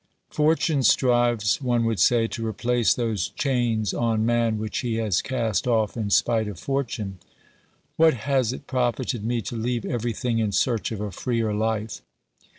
Fortune strives, one would say, to replace those chains on man which he has cast off in spite of fortune. What has it profited me to leave everything in search of a freer life